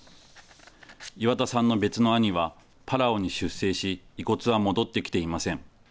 岩田さんの別の兄はパラオに出征し、遺骨は戻ってきていません。